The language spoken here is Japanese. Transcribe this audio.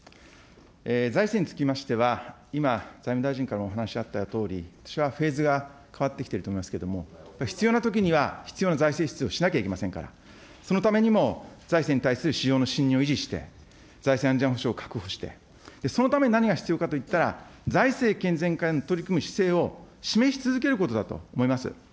財政につきましては今、財務大臣からもお話あったとおり、私はフェーズが変わってきていると思いますけれども、必要なときには必要な財政出動をしなきゃいけませんから、そのためにも財政に対する市場の信任を維持して、財政安全保障を確保して、そのために何が必要かといったら、財政健全化に取り組む姿勢を示し続けることだと思います。